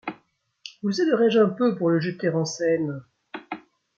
Vous aiderai-je un peu pour le jeter en Seine ?